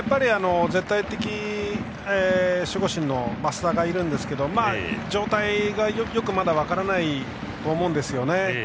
絶対的守護神の益田がいるんですがまだ状態がよく分からないと思うんですね。